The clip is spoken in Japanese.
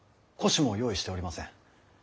輿も用意しておりません。